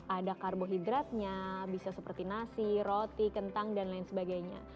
ada karbohidratnya bisa seperti nasi roti kentang dan lain sebagainya